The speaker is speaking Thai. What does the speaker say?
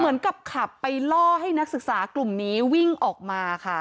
เหมือนกับขับไปล่อให้นักศึกษากลุ่มนี้วิ่งออกมาค่ะ